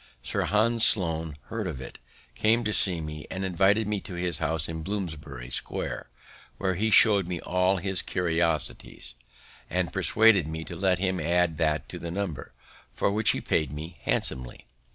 Sir Hans Sloane heard of it, came to see me, and invited me to his house in Bloomsbury Square, where he show'd me all his curiosities, and persuaded me to let him add that to the number, for which he paid me handsomely.